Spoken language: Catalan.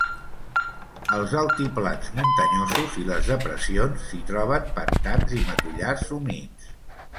Als altiplans muntanyosos i les depressions s'hi troben pantans i matollars humits.